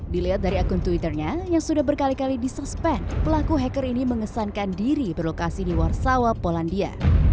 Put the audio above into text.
dilihat dari akun twitternya yang sudah berkali kali disuspend pelaku hacker ini mengesankan diri berlokasi di warsawa polandia